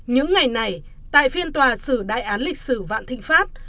những ngày này tại phiên tòa xử đại án lịch sử vạn thịnh pháp